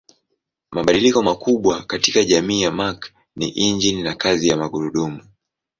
Mabadiliko makubwa katika jamii ya Mark ni injini na kazi ya magurudumu.